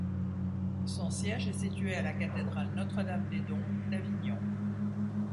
Son siège est situé à la cathédrale Notre-Dame des Doms d'Avignon.